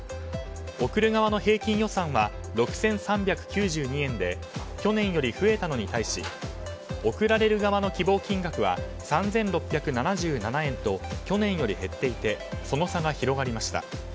贈る側の平均予算は６３９２円で去年より増えたのに対し贈られる側の希望金額は３６７７円と去年より減っていてその差が広がりました。